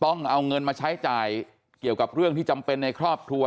ต้องเอาเงินมาใช้จ่ายเกี่ยวกับเรื่องที่จำเป็นในครอบครัว